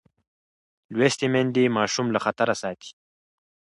لوستې میندې ماشوم له خطره ساتي.